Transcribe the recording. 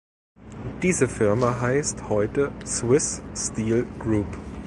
Diese Firma heisst heute "Swiss Steel Group".